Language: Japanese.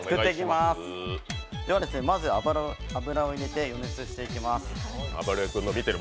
まず油を入れて余熱していきます。